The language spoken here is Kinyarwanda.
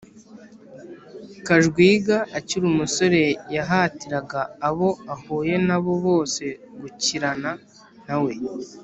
Kajwiga akiri umusore yahatiraga abo ahuye nab o bose gukirana na we